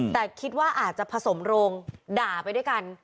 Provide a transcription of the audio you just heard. แต่คิดว่าอาจจะผสมโรงด่าไปด้วยกัน